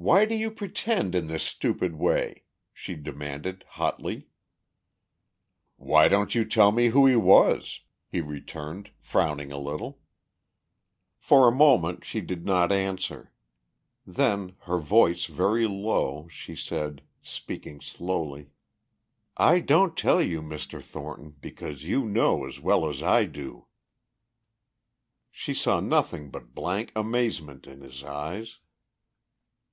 "Why do you pretend in this stupid way?" she demanded hotly. "Why don't you tell me who he was?" he returned, frowning a little. For a moment she did not answer. Then, her voice very low, she said, speaking slowly, "I don't tell you, Mr. Thornton, because you know as well as I do!" She saw nothing but blank amazement in his eyes.